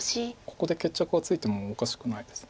ここで決着がついてもおかしくないです。